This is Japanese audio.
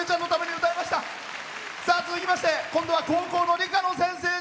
続きまして、今度は高校の理科の先生。